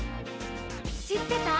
「しってた？」